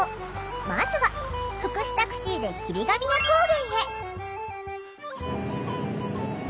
まずは福祉タクシーで霧ヶ峰高原へ。